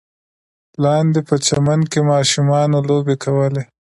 لاندې په چمن کې ماشومانو لوبې کولې.